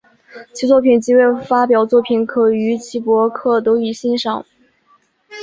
其作品及未发表作品可于其博客得于欣赏。